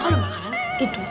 kalau makanan itu